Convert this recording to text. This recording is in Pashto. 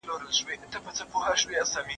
خو ژوند به یې تېریږي په مثال د لېونیو